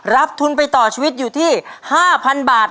ทุนไปต่อชีวิตอยู่ที่๕๐๐๐บาท